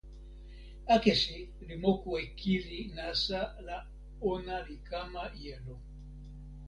akesi li moku e kili nasa la ona li kama jelo.